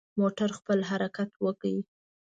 موټر حرکت وکړ.